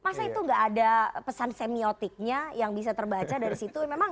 masa itu gak ada pesan semiotiknya yang bisa terbaca dari situ